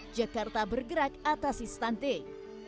jakarta bergerak atasi stunting